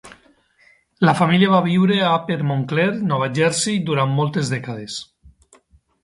La família va viure a Upper Montclair, Nova Jersey, durant moltes dècades.